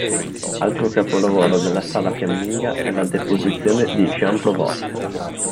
Altro capolavoro della sala fiamminga è la "Deposizione" di Jan Provost.